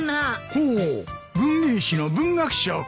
ほう文芸誌の文学賞か。